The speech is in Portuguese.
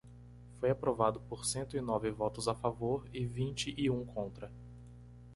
Foi aprovado por cento e nove votos a favor e vinte e um contra.